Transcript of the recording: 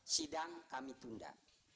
sidang kami tunda